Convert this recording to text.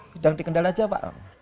sedang dikendal saja pak